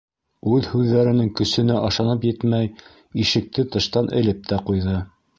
Үҙ һүҙҙәренең көсөнә ышанып етмәй, ишекте тыштан элеп тә ҡуйҙы.